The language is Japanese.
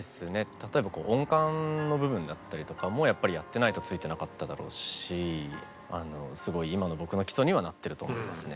例えば音感の部分だったりとかもやってないとついてなかっただろうしすごい今の僕の基礎にはなってると思いますね。